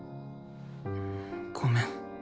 ごめん。